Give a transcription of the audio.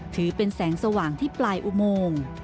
ถือเป็นแสงสว่างที่ปลายอุโมง